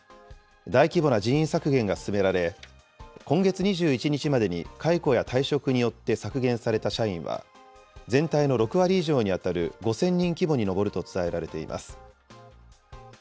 大規模な人員削減が進められ、今月２１日までに解雇や退職によって削減された社員は、全体の６割以上に当たる５０００人規模に上ると伝えられています。